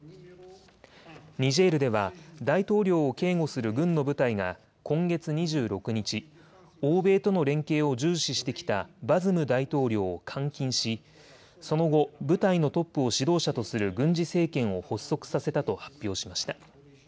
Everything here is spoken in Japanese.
ニジェールでは大統領を警護する軍の部隊が今月２６日、欧米との連携を重視してきたバズム大統領を監禁しその後、部隊のトップを指導者とする軍事政権を発足させたと発表しました。